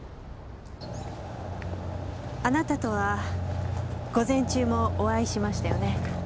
あなたとは午前中もお会いしましたよね？